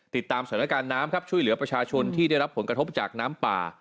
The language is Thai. ติดตามสถานการณ์น้ำครับช่วยเหลือประชาชนที่ได้รับผลกระทบจากน้ำป่า